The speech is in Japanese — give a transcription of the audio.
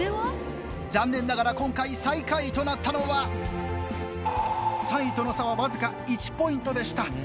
残念ながら今回最下位となったのは３位との差は僅か１ポイントでした。